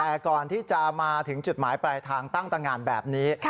แต่ก่อนที่จะมาถึงจุดหมายปลายทางตั้งตะงานแบบนี้